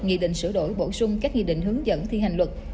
nghị định sửa đổi bổ sung các nghị định hướng dẫn thi hành luật